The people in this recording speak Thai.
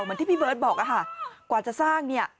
เหมือนที่พี่เบิร์ตบอกอะค่ะกว่าจะสร้างเนี่ย